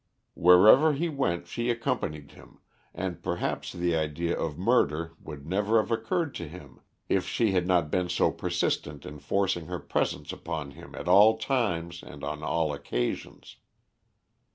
Wherever he went she accompanied him, and perhaps the idea of murder would never have occurred to him if she had not been so persistent in forcing her presence upon him at all times and on all occasions.